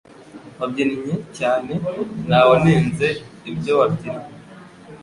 Wabyinnye cyane ntawanenze ibyo wabyinnye